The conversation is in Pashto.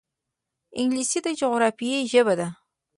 انګلیسي د جغرافیې ژبه ده